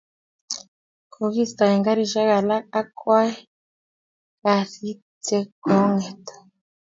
kokiista eng kasishek alak ak kwai kasit che konget